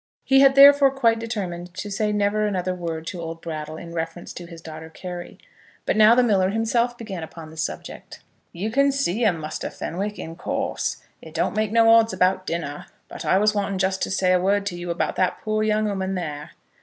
He had therefore quite determined to say never another word to old Brattle in reference to his daughter Carry. But now the miller himself began upon the subject. "You can see 'em, Muster Fenwick, in course. It don't make no odds about dinner. But I was wanting just to say a word to you about that poor young ooman there."